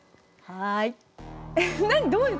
はい。